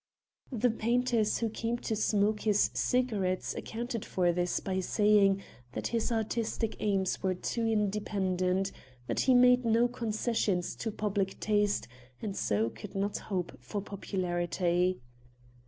The painters who came to smoke his cigarettes accounted for this by saying that his artistic aims were too independent, that he made no concessions to public taste and so could not hope for popularity.